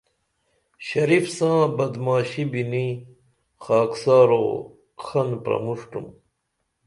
شریف ساں بدمعاشی بِنی خاکسارو خان پرمُݜٹُم